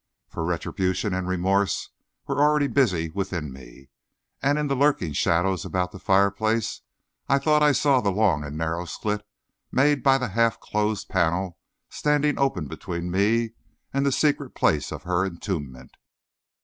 For retribution and remorse were already busy within me, and in the lurking shadows about the fireplace I thought I saw the long and narrow slit made by the half closed panel standing open between me and the secret place of her entombment.